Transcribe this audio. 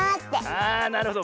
ああなるほど。